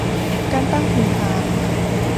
การตั้งถิ่นฐาน